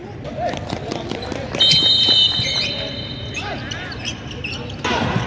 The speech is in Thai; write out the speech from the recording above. สุภาธาใดเต็มแก่หมายเลข๓๕รักษีบันแจกเงินภูมิ